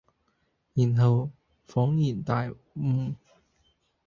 然後才仿然大悟。